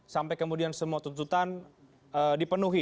sampai kemudian semua tuntutan dipenuhi